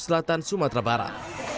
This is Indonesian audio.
selatan sumatera barat